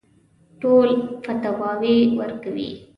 ټول فتواوې ورکوي.